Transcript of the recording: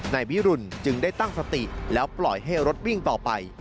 นายวิรุณจึงได้ตั้งสติแล้วปล่อยให้รถวิ่งต่อไป